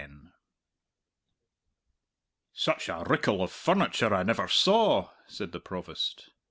"Such a rickle of furniture I never saw!" said the Provost.